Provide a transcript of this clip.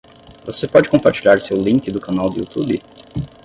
Você pode compartilhar seu link do canal do Youtube?